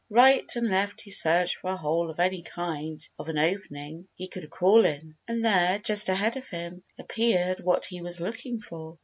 Right and left he searched for a hole or any kind of an opening he could crawl in. And there, just ahead of him, appeared what he was looking for!